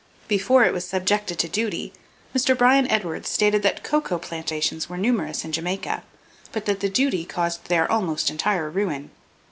Before it was subjected to duty, Mr. Bryan Edwards stated that cocoa plantations were numerous in Jamaica, but that the duty caused their almost entire ruin.